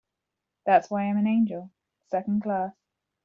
That's why I'm an angel Second Class.